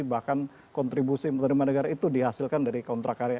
bahkan kontribusi menerima negara itu dihasilkan dari kontrak karya